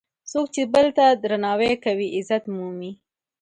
څوک چې بل ته درناوی کوي، عزت مومي.